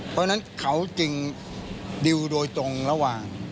เพราะฉะนั้นเขาจึงดิวโดยตรงระหว่าง